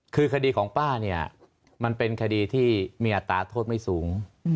คือคดีของป้าเนี่ยมันเป็นคดีที่มีอัตราโทษไม่สูง